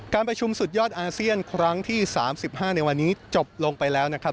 การประชุมสุดยอดอาเซียนครั้งที่๓๕ในวันนี้จบลงไปแล้วนะครับ